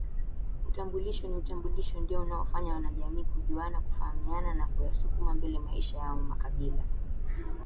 utambulisho ni utambulisho ndiyo unaofanya wanajamii kujuana kufahamiana na kuyasukuma mbele maisha yaoMakabila